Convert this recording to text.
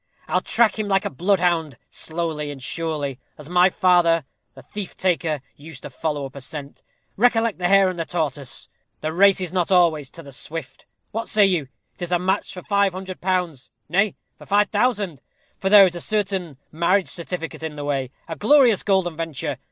I'll track him like a bloodhound, slowly and surely, as my father, the thief taker, used to follow up a scent. Recollect the hare and the tortoise. The race is not always to the swift. What say you? 'Tis a match for five hundred pounds; nay, for five thousand: for there is a certain marriage certificate in the way a glorious golden venture!